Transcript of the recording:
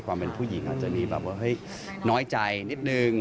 ความเป็นผู้หญิงอาจจะมีแบบว่าเฮ้ยน้อยใจนิดนึง